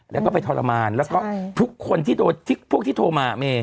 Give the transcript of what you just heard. แล้วก็ไปทรมานแล้วก็ทุกคนที่โทรมา